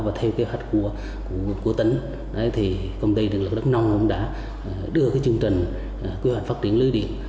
và theo kế hoạch của tỉnh công ty đường lực đất nông đã đưa chương trình quy hoạch phát triển lưới điện